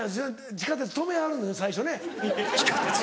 地下鉄止めはる最初ね。